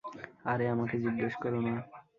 আরে, আমাকে জিজ্ঞেস করো না।